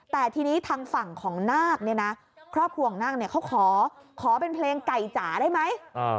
แต่ที่นี้ทางฝั่งของนากครอบครัวของนากเขาขอเป็นเพลงไก่จาได้ไหม